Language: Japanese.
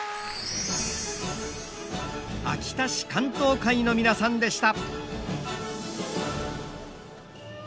秋田市竿燈会の皆さんでした。